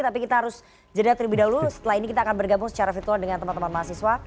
tapi kita harus jeda terlebih dahulu setelah ini kita akan bergabung secara virtual dengan teman teman mahasiswa